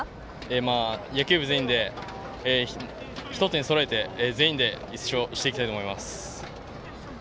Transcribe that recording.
野球部全員で１つにそろえて全員で１勝していきたいと思います。